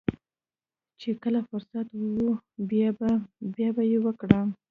چې کله فرصت و بيا به يې وکړم.